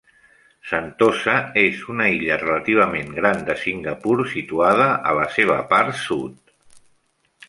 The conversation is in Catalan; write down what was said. Sentosa és una illa relativament gran de Singapur situada a la seva part sud.